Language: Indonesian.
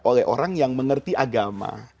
oleh orang yang mengerti agama